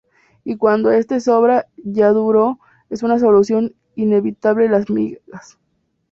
Y cuando este sobra, ya duro, es una solución inevitable las migas.